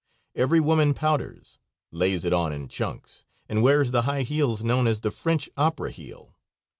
Every woman powders lays it on in chunks and wears the high heels known as the French opera heel.